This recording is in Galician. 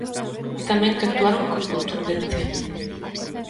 Di tamén que actuaron con contundencia.